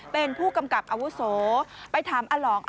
เป็นผู้กำกับอาวุโสไปถามอลอง